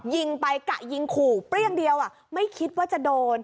ยิงไปกะยิงขู่เปรี้ยงเดียวไม่คิดว่าจะโดน